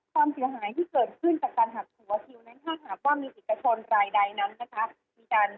ความเสียหายที่เกิดขึ้นจากการหักหัวคิวนั้นถ้าหากว่ามีเอกชนรายใดนั้นนะคะ